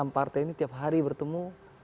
enam partai ini tiap hari bertemu